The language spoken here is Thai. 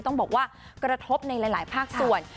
ต้องบอกว่ากระทบในหลายภาคส่วน